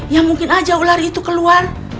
ya mungkin aja ular itu keluar